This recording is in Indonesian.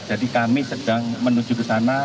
jadi kami sedang menuju disana